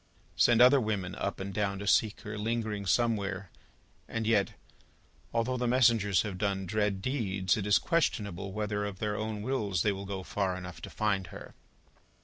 Send other women up and down to seek her, lingering somewhere; and yet, although the messengers have done dread deeds, it is questionable whether of their own wills they will go far enough to find her!